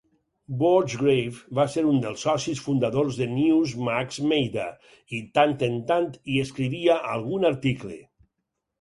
Borchgrave va ser un dels socis fundadors de Newsmax Meida i, tant en tant, hi escrivia algun article.